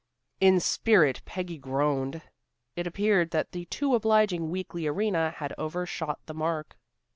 In spirit Peggy groaned. It appeared that the too obliging Weekly Arena had overshot the mark.